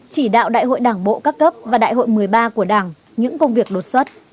chỉ đạo đại hội đảng bộ các cấp và đại hội một mươi ba của đảng những công việc đột xuất